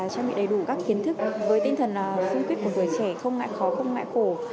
chuyên nghiệp đầy đủ các kiến thức với tinh thần phương quyết của người trẻ không ngại khó không ngại khổ